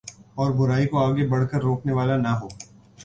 اور برائی کوآگے بڑھ کر روکنے والا نہ ہو